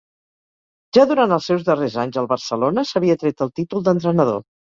Ja durant els seus darrers anys al Barcelona s'havia tret el títol d'entrenador.